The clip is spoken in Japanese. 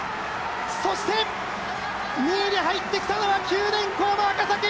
そして２位に入ってきたのは九電工の赤崎！